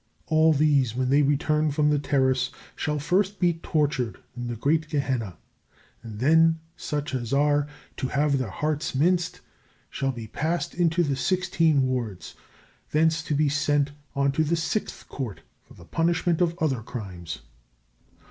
all these, when they return from the Terrace, shall first be tortured in the great Gehenna, and then such as are to have their hearts minced shall be passed into the sixteen wards, thence to be sent on to the Sixth Court for the punishment of other crimes.